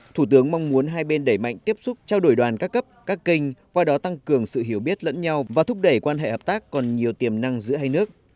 thủ tướng mong muốn hai bên đẩy mạnh tiếp xúc trao đổi đoàn các cấp các kênh qua đó tăng cường sự hiểu biết lẫn nhau và thúc đẩy quan hệ hợp tác còn nhiều tiềm năng giữa hai nước